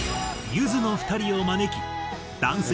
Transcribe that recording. ゆずの２人を招き男性